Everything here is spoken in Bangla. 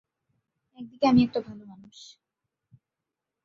একদিকে, আমি একটা ভালো মানুষ।